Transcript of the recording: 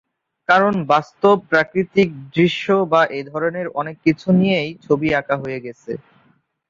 কারণ বাস্তব প্রাকৃতিক দৃশ্য বা এ ধরনের অনেক কিছু নিয়েই ছবি আঁকা হয়ে গেছে।